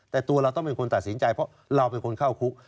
แต่ตัวเราต้องเป็นคนตัดสินใจเพราะเราเป็นคนเข้าคุก